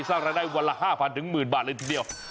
สาระได้วันละ๕๐๐๐๑๐๐๐๐บาทเลยทีเดียว